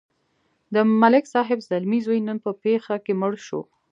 د ملک صاحب زلمی زوی نن په پېښه کې مړ شو.